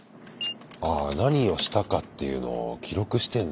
何をしたかっていうのを記録してんだ。